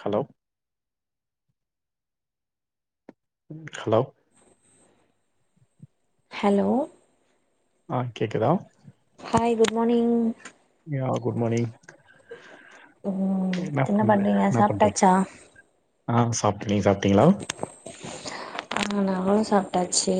Hello hello hello ஆஹ் கேக்குதா hi good மானிங் யா good மானிங் உம் என்ன பண்றீங்க சாப்டாச்சா நீங் சாப்டீங்ளா ஆஹ் நானு சாப்டாச்சு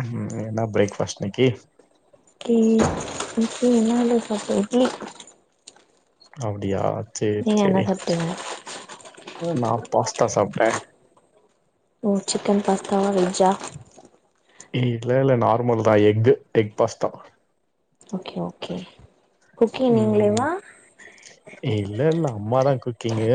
உம் என்ன பிரேக்ஃபாஸ்ட் இன்னக்கி க்கே என்னால்ல சாப்பட இட்லி அப்டியா சரி நீங்க என்ன சரி சாப்ட்டீங்க நா பாஸ்தா சாப்ட்ட த்தா‌ வெஜ்ஜா ஏ இல்லல நார்மல் தா எஃகு egg pasta okay okay cooking உம் நீங்களேவா இல்ல ல்ல அம்மாதா குக்கிங்கு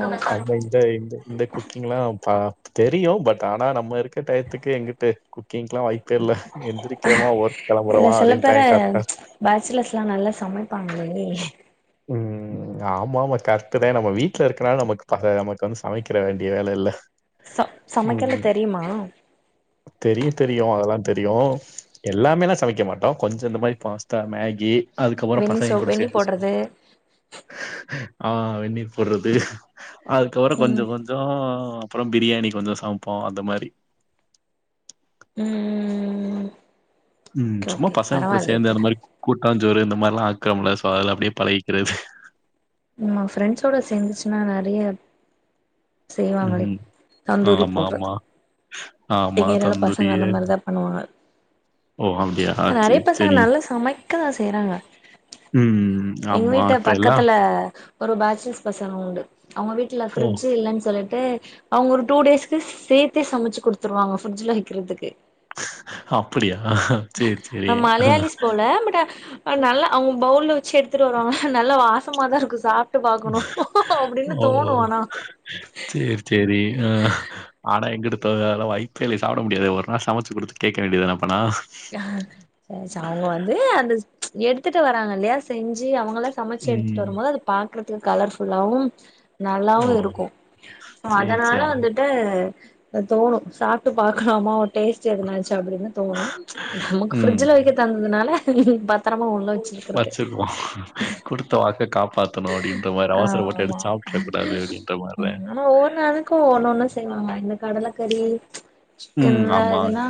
ஓ அம்மாயிட்ட இந்த இந்த குக்கிங்லாம் பா தெரியும் பட் ஆனால் நம்ம இருக்கிற டயத்துக்கு எங்கிட்ட குக்கிங்கலாம் வாய்ப்பே இல்லை எந்திரிக்கிறமாக ஒர்க் இல்ல கெளம்புறமா சில அப்டின் பேரை டைம் கரெக்டா பேச்சலர்ஸ் எல்லாம் நல்லா சமைப்பாங்களல்லைய உம் ஆமா ஆமா கரெக்ட் தான் நம்ம வீட்டுல இருக்கனாலும் நமக்கு ப நமக்கு வந்து சமைக்கிற வேண்டிய வேலை இல்ல ச சமைக்கல ம். தெரியுமா தெரியும், தெரியும் அதெல்லாம் தெரியும் எல்லாமேல்லாம் சமைக்க மாட்டோம் கொஞ்சம் இந்த மாதிரி பாஸ்தா மேகி அதுக்கப்புறம் வெந்நி சோ பசைங்க கூட வெந்நி சேர்ந்து சுத் போடுறது [unintelligible] ஆஹ் வெநீர் போடுறது அதுக்கப்புறம் ம் கொஞ்சம் கொஞ்சம் அப்புறம் பிரியாணி கொஞ்சம் சமைப்போம் அந்த மாரி உம் உம் உம் சும்மா பசங்க கூட சேர்ந்து அந்த மாதிரி கூ ட்டாஞ்சோறு இந்த மாரிலாம் ஆக்கிரமல சோ அததுல அப்டியே பழகிக்கிறது ம்மா பிரண்ட்ஸோட சேந்துச்சுன்னா நல் [unintelligible] செய்வாங்களே ம். தந்தூரி ஆமாமா. போடுறது ஆமா. ஆமா. எங்கயாலும் பசங்க தந்தூரி. அந்த மாதிரிதான் பண்ணுவாங்க ஓ! அப்படியா? நறைய சரி, பசங்க சரி. நல்லா சமைக்கதான் செய்றாங்க ம். எங்க ஆமா. வீட்டு இப்ப எல்லாம் பக்கத்துல ஒரு பேச்சுலர்ஸ் பசங்க உண்டு அவங்க வீட்டுல ஓ! பிரிட்ஜ் இல்லைன்னு சொல்லிட் ட்டு அவங்க ஒரு டூ டேஸ்க்கு சேர்த்தே சமைச்சு குடுத்துருவாங்க ஃபரிட்ஜ்ல வெக்கறதுக்கு அப்படியா சரி, சரி. நம் மலையாலிஸ் போல பட் நல்லா அவங்க பவுல்ல வெச்சு எடுத்துட்டு வருவாங்க நல்ல வாச சமா தான் இருக்கும் சாப் ஓ ஆனா செரி செரி ஆ ஆனா எங்கடுத்த அத வாய்ப்பே இல்ல சாப்பிட முடியாது ஒரு நாள் சமைச்சு கொடுத்து கேட்க வேண்டியதுான அப்பனா அஹ் அவங்க வந்து அந்த எடுத்துட்டு வராங்க இல்லையா செஞ்சு அவங்க சமைச்ச ம். எடுத்துட்டு வரும்போது பாக்குறதுக்கு கலர்ஃபுல்லாவும் ஓ! நல்லாவும் இருக்கும் சரி, அதனால சரி. அ. வந்துட்டு தோணும் சாப்பட்டு பாக்கலாம டேஸ்ட் என்னாச்சு அப்பின்னு தோணு நமக்கு பிரிட்ஜில வெக்க தந்ததுனாலே உம் ப வச்சுக்குவோம் குடுத்த வாக்க காப்பாத்து ஆஹ் ஆமாமா அப்படின்ற மாரி தான். ஆனா ஒவ்வொரு நாளுக்கும் ஒன்னு ஒண்ணும் செய்வாங்க என்ன கடலக்கறி ம். சிக்கன்ல ஆமா. என்னனா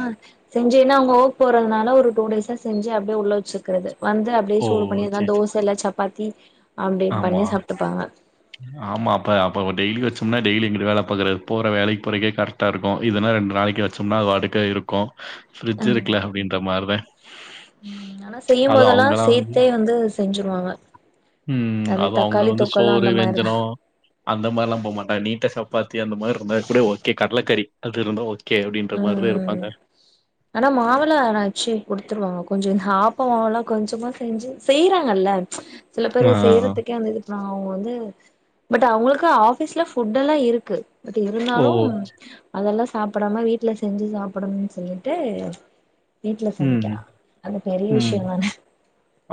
செஞ்சுன்னா அவங்க ஓக்கு போறதுனால ஒரு டூ டேஸா செஞ்சு அப்டியே உள்ள வெச்சுக்கிறது வந்து அப்டியே ஓ! சூடு பண்ணி எதுனா சரி, சரி. தோச இல்ல சப் பத்தி ஆமா ஆமா அப்ப அப்ப டெய்லி வச்சோம்னா டெய்லி எங்க வேல போற வேலைக்கு போறக்கே கரெக்டா இருக்கு இதுனா ரெண்டு நாளைக்கு வச்சோம்னா அதுபாட்டுக்கு இருக்கும் பிரிட்ஜ் ம் இருக்குல அப்டின்ற மார் வ ஆனா செய்யும் போதெல்லா சேத்தே வந்து செஞ்சுருவாங்க உம் அது அதுவும் அவங்க தக்காளி வந்து தொக்கெல்லா சோறு அந்த வெஞ்சன மாரிதா அந்த மாரி எல்லா போகமாட்டாங்க நீட்டா சப்பாத்தி அந்த மாரி இருந்தா கூட ஓகே கடலக்கறி அது இருந்தா ஓகே அப்டின்ற மாரி தான் உம் இருப்பாங்க. ஆனா மாவெல்லா அரச்சு குடுத்துருவாங்க கொஞ்சம் ஆப்பம மாவெல்லா கொஞ்சமா செஞ்சு செய்றாங்கல்ல சில பேரு ஆ. செய்றதுக்கே வந்து இதுபண்ணுவா அவங்க வந்து பட் அவங்களுக்கு ஆஃபீஸ்ல ஃபுட் எல்லா இருக்கு அது ஓ! இருந்தாலு அதெல்லா சாப்டாம வீட் வீட்ல செஞ்சு சாப்டணும்னு சொல்லிட்டு வீட்டு்ல ம். சமைக்கிறா அது பெரிய ம். விஷய தான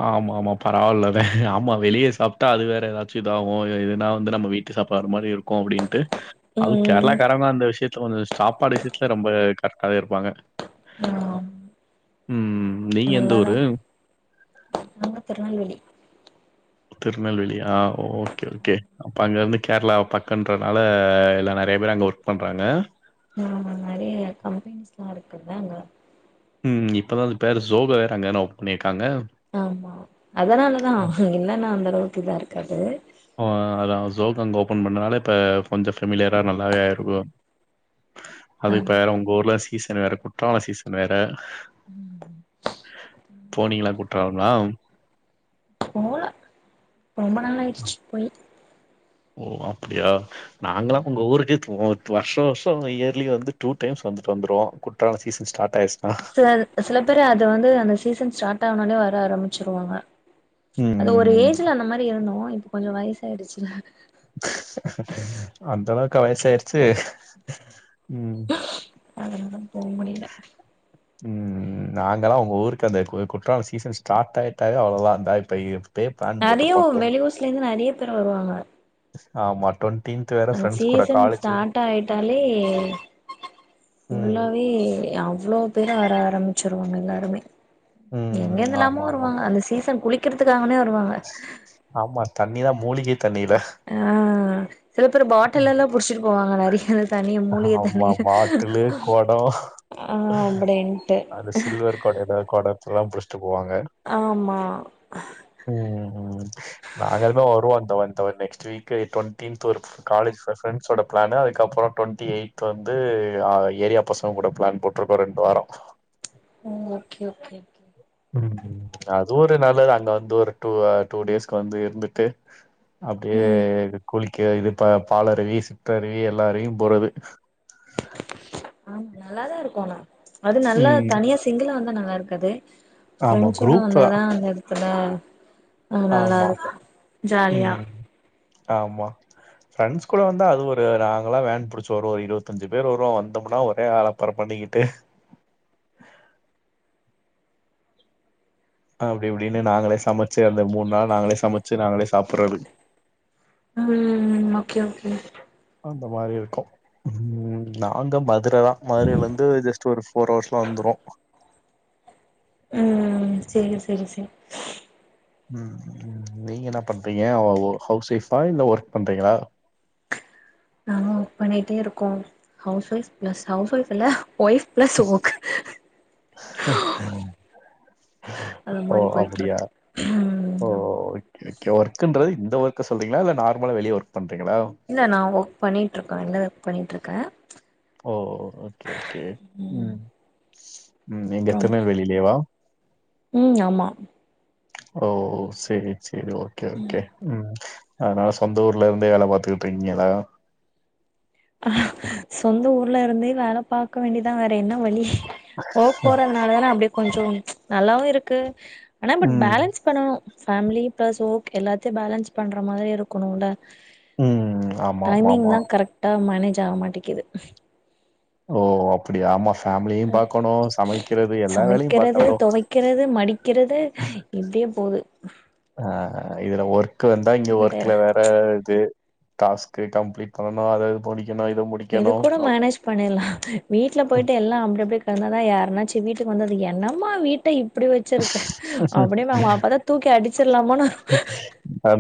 ஆமா ஆமா பரவாயில்லதா ஆமா வெளிய சாப்ட்டா அது வேற ஏதாச்சு இதாகு எதுனா வந்து நம்ம வீட்டு சாப்பாடு மாரி இருக்கு அப்டின்னுட்டு அது ம் கேரளாகாரங்க அந்த விஷயத்து சோ சாப்பாடு விஷயத்துல ரொம்ப கரெக்டா தா இருப்பாங்க ஆம் உம் நீங்க எந்த நல்லாதா ஊரு நாங்க திருநெல்வேலி திருநெல்வேலி ஆஹ் ஓகே ஓகே அப்ப அங்கருந்து கேரளா பக்கன்றனால எல்லா நெறய பேர் அங்க ஒர்க் பண்றாங்க ஆஹ் நெறைய கம்பெனிஸ்ல்லா இருக்குல்ல அங்க உம் இப்பதா இந்த பேரு ஜோகோ வேற அங்கன்னா [unintelligible] ஆமா அதனாலதா இல்லன்னா அந்த அளவுக்கு இதாருக்காது ஆ அதா ஜோக் அங்க ஓபன் பண்ணதுனால இப்ப கொஞ்ச ஃபெமிலியரா நல்லாவே ஆயிருக்கு ஆ அது இப்ப எங்க ஊர்ல வேற குற்றால சீசன் வேற போனீங்களா குற்றாலம்ல்லா போல ரொம்ப நாள் ஆயிடுச்சு போய் ஓ அப்டியா நாங்களா உங்க ஊருக்கு வர்ஷோ வர்ஷோ இயர்லி வந்து டூ டைம்ஸ் வந்துட்டு வந்துருவோ குற்றால சசீசன் ஸ்டார்ட் ஆயிடுச்சுன்னா சர் சில பேரு அது வந்து அந்த சீசன் ஸ்டார்டா னாலே வர ஆரம்பச்சிருவாங்க அது ஒரு ம் ஏஜ்ல அந்த மாரி இருந்தோ இப்ப கொஞ்சம் வயசு யரிச்சுதா அந்தளவுக்கா வயசாயிருச்சு உம் போக முடியல உம் நாங்கல்லா உங்க ஊருக்கு அந்த குற்றால சீசன் ஸ்டார்ட் ஆயிட்டாவே அவ்ளோதா இருந்தா போயிரு நெறைய வெளியூர்ஸ்ல இருந்து நெறைய பேரு வருவாங்க ஆஹ் மட்டோன் அந்த சீசன் ஸ்டார்ட் ஆயிட்டாலே ம் உள்ளவே அவ்ளோ பேர் வர ஆரம்பிச்சிருவாங்க எல்லாருமே எங்க ம் இருந்து எல்லாமோ ஆமா ஆமா வருவாங்க அந்த சீசன் குளிக் [unintelligible] ஆமா தண்ணிதா மூலிகைத் தண்ணிலே ஆ சில பேரு பாட்டில்லல புடிச்சிட்டு போவாங் நிறைய தண்ணி மூலிகை தண்ணி ஆமா பாட்டிலு கொடோ ஆஹ் அப்டிண்டு அந்த சில்வர் கொட ஏதாவது குடத்தெல்லாம் புடிச்சிட்டு போவாங்க. ஆமா ம், ம் அங்கிருந்து வருவாங்க நெக்ஸ்ட் வீக் டுவெண்டீன்த் ஒரு காலேஜ் ஃபிரெண்ட்ஸோட பிளானு அதுக்கப்புற டுவெண்ட்டி எய்த் வந்து ஏரியா பசங்க கூட பிளான் போட்டிருக்கோ ரெண்டு வாரோம் ஓகே ஓகே ம் அது ஒரு நல்லது அங்க வந்து ஒரு டூ டூ டேஸ்க்கு வந்து இருந்துட்டு அப்டியே ம் குளிக் இ இது பா பாலருவி சிற்றருவி எல்லா அருவியும் போறது [inaudible] ஆமா நல்லாதான் இருக்கும் ஆனா அது நல்லா ம். தனியா சிங்குலா வந்த ந பார்க்கது ஆமா ஃபிரெண்ஷ்ஷோட குரூப் தான். வந்தாதா அந்த அப்புற [unintelligible] அஹ நல்லா ஆமா. இருக்கும் ஜாலியா ம். ஆமா ஃப்ரெண்ட்ஸ் கூட வந்தா அது ஒரு நாங்க எல்லாம் வேன் புடிச்சு வரும் ஒரு இருபத்து அஞ்சு பேர் வருவோம் வந்தோம்னா ஒரே ஆலப்பறம் பண்ணிக்கிட்டு அப்படி இப்படின்னு நாங்களே சமைச்சு அந்த மூணு நாள் நாங்களே சமைச்சு நாங்களே சாப்பிடடுறது உம் ஓகே ஓகே அந்த மாதிரி இருக்கும் நாங்க மதுரதான் மதுரைல இருந்து ஜஸ்ட் ஒரு ஃபோர் ஹவர்ஸ்லாம் வந்துடும் உம் சேரி சேரி சேரி உம் நீங்க என்ன பண்றீங்க அவ ஹவுஸ் ஒய்ஃபா இல்ல ஒர்க் பண்றீங்களா நானும் ஒர்க் பண்ணிட்டே இருக்கோம் ஹவுஸ் ஒய்ஃப் ஹவுஸ் ஒயஃப் இல்லே ஒய் ப்ளஸ் ஓக் ஓ அப்படியா ம் ஓ ஆமா ஓகே ஒர்க்கன்றது இந்த ஒர்க்க சொல்றீங்களா இல்ல நார்மலா வெளியே ஒர்க் பண் இல்ல நான் ஒர்க் பண்ணிட்டு இருக்கேன் நல்ல ஒர்க் பண்ணிட்டு இருக்கேன் [inaudible] ஓ ஓகே ஓகே உம் [inaudible] உம் எங்க திருநெல்வேலிலியேவா உம் ஆமா ஓ சேரி சரி ஓகே ஓகே உம் அதனால சொந்த ஊர்ல இருந்தே வேலை பார்த்துக்கிட்டு இருக்கீங்களா ஆஹ் சொந்த ஊர்ல இருந்தே வேலை பார்க்க வேண்டிதான் வேற என்ன வழி ஓ போறதுனால தானே அப்படிய கொஞ்சம் ப்ச் நல்லாவும் இருக்கு ஆனா பட் ம், பேலன்ஸ் பண்ணணும் ஃபேமிலி ப்ளஸ் ஒர்க் எல்லாத்தையும் பேலன்ஸ் பண்ணுற மாதிரி இருக்கணும்ல உம் ஆமா ஆமா ஆமா கரெக்டா மேனேஜ் ஆக மாட்டேக்குது ஓ அப்படியா ஆமா ஃபேமிலியும் பார்க்கணும், சமைக்கிறது எல்லா வேலையும் சமக்கிறது பார்க்கணும். தொவைக்கிறது மடிக்கிறது இப்டே போது [unintelligible] ஆஹ் இதலா ஓர் க்கு வந்தா இங்க பட் ஒர்க்ல வேற இது டாஸ்க் கம்லீட் பண்ணனும் அதாவது போடி இது கூட மேனேஜ் பண்ணிர்லா வீட்ல போயிட்டு எல்லா அப்டி அப்டி கெடந்தா தா யாருனாச்சு வீட்டுக்கு வந்தது என்னமா வீட்டை இப் அப்படி வச்சிருக்க அப்டியே [unintelligible] அப்பதா தூக்கி அடிச் த்ர்லாமானு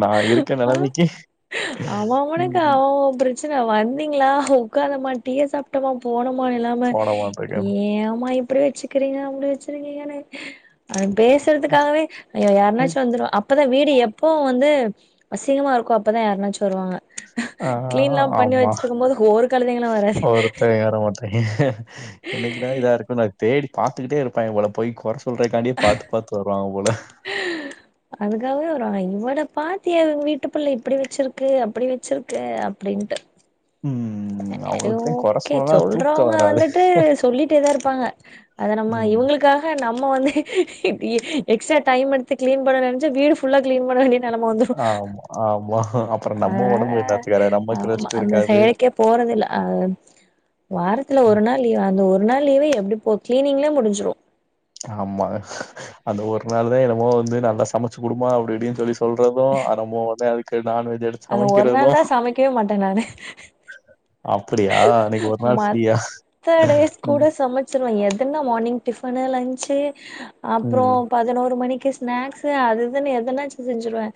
நான் இருக்க வரும் நிலைமைக்கு ஆ [unintelligible] அவன் ம் பிர ச்சனா வந்தீங்களா [unintelligible] உக்காரமாட்டியே சாப்ட்டமா போனோமா [unintelligible] இல்லாம போட மாட்டேங்க. ஏமா ப் எப்டி வச்சுக்கிறீங்க அப்டி வச்சிருக்கீங்கனு ஆ பேசுறதுக்காகவே யாரனாச்சு வந்துருவா அப்ப [unintelligible] வீடு எப்போ வந்து அசிங்கமா இருக்கோ அப்பதா யாருனாச்சு வருவாங்க. கிளீன் ல்லா பண்ணி வச்சிருக்கும் போது கழுதைங்களு வராது ஒருத்தங வர மாட்டாய்ங்க என்னைக்கு டா இதா இருக்கும் நா [unintelligible] தேடி பாத்துக்கிட்டே இருப்பாய்ங்க போல போய் குறைச்சிட் சொல்றதக்காண்டியே பாத்து பாத்து வருவாங்க போல அதுக்காகவே வரு இவரோட பாட்டி அது வீட்டு பிள்ள எப்டி வச்சிருக்கு அப்டி வச்சிருக்கு அப்டின்ட்டு ம் [unintelligible] அவங்களுக்கு தான் கொற ஒகே சொன்னா தூக்க சொல்றவங்க வராது வந்துட்டு சொல்லிட்டே தா இருப்பாங்க அத நம்ப ம் இவுங்ளுக்காக நம் ப வந்து எக்ஸ்டா டைம் எடுத்து கிளீன் பண்ணு நெனச்சா வீடு ஃபுல்லா கிளீன் பண்ண வேண்டி ஆமா ஆமா அப்ரோ நம்ப அதனால ஒடம்பு [unintelligible] நம்ப [unintelligible] ரெஸ்ட் இருக்காது போனது இல்ல ஆ வாரத்துல ஒரு நாள் லீவு அந்த ஒரு நாள் லீவே எப்டி போச்சேனிங்லே முடிஞ்சிரு ஆமா அந்த ஒரு நாளுதா என்னமோ வந்து நல்லா சமச்சு குடுமா அப்டினு சொல்லி சொல்றது அதமோ அதா விக் அத ஒரு நாளு தா சமைக்கவே மாட்டே நானு அப்டியா அன்னிக்கு ஒரு நாள் ஃப்ரீயா மத்த உம் தின்னோ மார்னிங் டிஃபனு லஞ்சு அப்றோ ம் பதனொரு மணிக் கு ஸ்நாக்ஸு அதுஇதுன்னு எதனாச்சு செஞ்சிருவே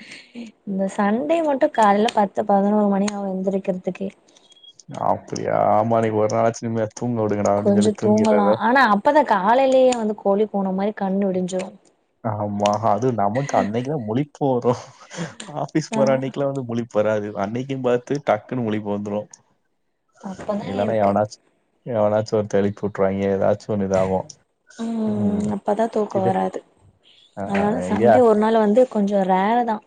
இந்த சண்டே மட்டு கால்ல பத்து பதனொரு மணி ஆவு எந்திருக்கறதுக்கே அப்டியா ஆமா இன்னிக்கு ஒரு நாளாச்சு இந்த கொஞ்ஜோ தூங்கலா ஆனா அப்பதா காலைலயே வந்து கோழி போன மாரி கண்ணொடிஞ்சுரு ஆமா. அது நமக்கு அன்னைக்கு தா முழிப் போது ஆபிஸ் ஆ போற அன்னைக்குலா வந்து முழிப் வராது அன்னிக்குன்னு பாத்து டக்குன்னு முழிப்பு வந்துரு அப்பதா எனக்கு எவனாச்சு ஒருத்தே எழுப்வுட்ருவாய்ங்க ஏதாச்சு ஒன்னு இதாகு உம் அப்பதா தூக் கேராது ஆ அதனால ஐடியா சண்டே ஒரு நாள் வந்து கொஞ்சோ ரேர்ருதா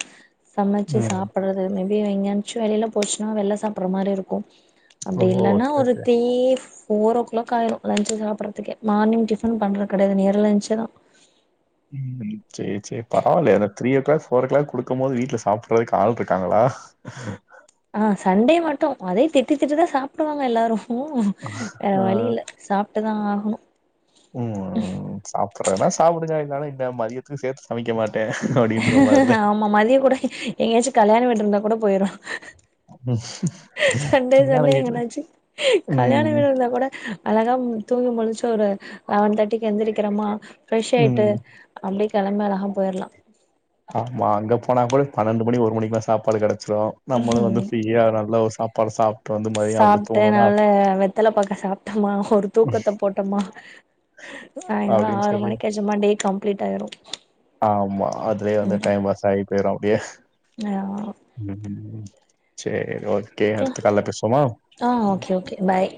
சமச்சு ம். சாப்பறது [unintelligible] எஞ்யாச்சு வெளில போச்சுனா வெள்ள சாப்ற மாரி இருக்கு ஓ! அப்டி இல்லன்னா ஓகே, ஒரு ஓகே. தீஃப் ஃபோரோ க்ளாக் ஆய்ரு லச் சாப்பற்துக்கே மார்னிங் டிப் டிபன் பண்றது கெடையாது நேரா லஞ்சுதா உம் சேர் சேர் பரவால த்ரீ ஓ கிளாக் ஃபோரோ கிளாக் குடுக்கும் போது வீட்ல சாப்பட்றதுக்கு ஆள் இருக்காங்களா ஆஹ் சண்டே மட்டு அதே திட்டி திட்டிதா சாப்டுவாங்க எல்லாரு வேற வழி ஆஹ் இல்ல சாப்ட்டுதா ஆகணு உம் சாப்றதுன்னா சாப்டுங்க இல்லனா மதியத்துக்கு சேத்து சமைக்க மாட் ஆமா மதிய கூட எங்கயாச்சு கல்யாண வீடா இருந்தா கூட போயிட ம். சண்டே கல்யாண சண்டே வீட்ல எங்கனாச்சு கல்யாண ம். வீடா இருந்தா கூட அழகா தூங்கி முழிச்சு ஒரு லெவன் தேர்ட்டிக்கு எந்திரிக்கறமா ஃப்ரெஷ் ம். ஆய்ட்டு அம்மி கெளம்பி அழகா போயிறலா ஆமா அங்க போனா கூட பன்னெண்டு மணி ஒரு மணிக்கெல்லாம் சாப்பாடு கெடக் சோ நம்லு வந்து ஃப்ரீயா நல்லா ஒரு சாப்பாடு சாப் சாப்பிட்டேன் நல்லா வெத்தலை பாக்கெ சாப்பிட்டோமா ஒரு தூக்கத்தை போட்டோமா சாயங்காலோ அப்டின்னு ஆறு சொல்லி மணிக்கு ஆச்சுமா டே கம்ப்ளீட் ஆயிரு ஆமா அதுலயே வந்து டைம் பாஸ் ஆய் போயிரும் அப்டியே உம் சேரி ஓகே கே அடுத்தகால்லே பேசுவோமா ஆ ஓகே ஓகே பாய்